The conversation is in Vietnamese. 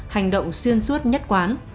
hành động xuyên suốt nhất quán